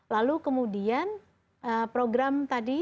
lalu kemudian program tadi